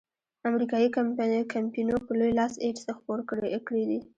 امریکایي کمپینو په لوی لاس ایډز خپور کړیدی.